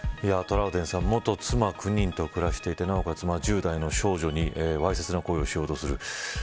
トラウデンさん元妻９人と暮らしていて、なおかつ１０代の少女にわいせつな行為をしようとする。